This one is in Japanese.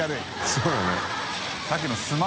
そうよね。